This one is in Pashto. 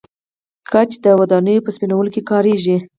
ګچ د ودانیو په سپینولو کې کاریږي.